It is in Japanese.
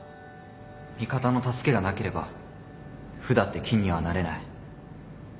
味方の助けがなければ歩だって金にはなれない。